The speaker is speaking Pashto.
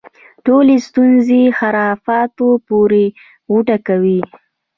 ټولې ستونزې خرافاتو پورې غوټه کوي.